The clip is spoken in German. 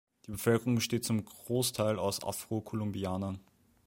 Die Bevölkerung besteht zum Großteil aus "Afro-Kolumbianern".